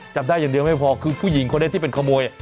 จับได้อย่างเดียวไม่พอคือผู้หญิงคนนี้ที่เป็นขโมย